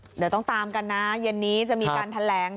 เดี๋ยวต้องตามกันนะเย็นนี้จะมีการแถลง